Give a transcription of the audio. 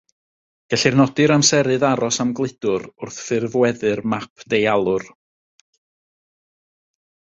Gellir nodi'r amserydd aros am gludwr wrth ffurfweddu'r map deialwr.